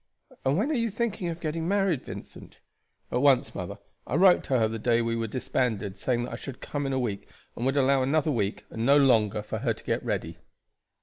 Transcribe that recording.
"And when are you thinking of getting married, Vincent?" "At once, mother. I wrote to her the day we were disbanded saying that I should come in a week, and would allow another week and no longer for her to get ready."